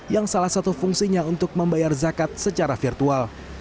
yang salah satu fungsinya untuk membayar zakat secara virtual